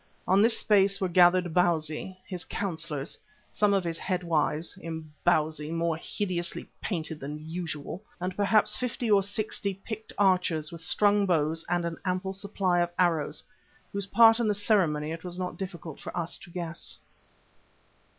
On this space were gathered Bausi, his councillors, some of his head wives, Imbozwi more hideously painted than usual, and perhaps fifty or sixty picked archers with strung bows and an ample supply of arrows, whose part in the ceremony it was not difficult for us to guess.